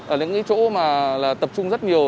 ở những chỗ mà tập trung rất nhiều